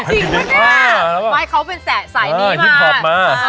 จริงวะน่ะมาให้เขาเป็นสายนี้มา